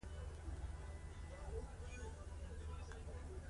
بوتسوانا اوس یو ډیموکراټیک هېواد دی.